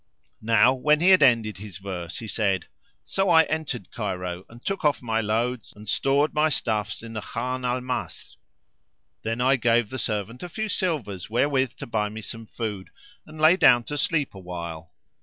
Now when he had ended his verse he said, So I entered Cairo and took off my loads and stored my stuffs in the Khan "Al Masrúr."[FN#518] Then I gave the servant a few silvers wherewith to buy me some food and lay down to sleep awhile.